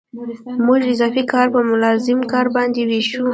موږ اضافي کار په لازم کار باندې وېشو